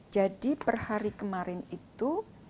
jadi per hari kemarin itu